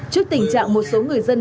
trước tình trạng một số người dân